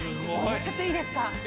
ちょっといいですか？